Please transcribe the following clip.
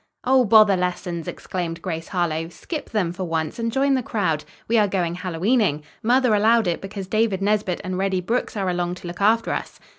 "Oh, bother lessons!" exclaimed Grace Harlowe. "Skip them, for once, and join the crowd. We are going Hallowe'ening. Mother allowed it because David Nesbit and Reddy Brooks are along to look after us."